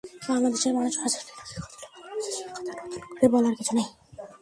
বাংলাদেশের মানুষ আর্জেন্টিনাকে কতটা ভালোবাসে সেই কথা নতুন করে বলার কিছু নেই।